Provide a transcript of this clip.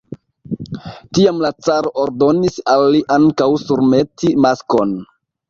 Tiam la caro ordonis al li ankaŭ surmeti maskon.